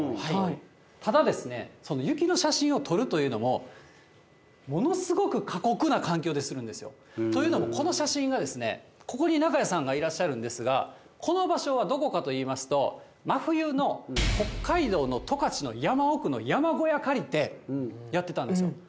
ただ、その雪の写真を撮るというのも、ものすごく過酷な環境でするんですよ。というのも、この写真が、ここに中谷さんがいらっしゃるんですが、この場所はどこかといいますと、真冬の北海道の十勝の山奥の山小屋借りて、やってたんです。